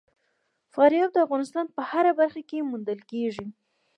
فاریاب د افغانستان په هره برخه کې موندل کېږي.